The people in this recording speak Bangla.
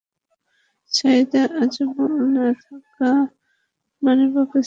সাঈদ আজমল না-থাকা মানে পাকিস্তানের বোলিং আক্রমণ অনেকটাই ভোঁতা হয়ে যাওয়া।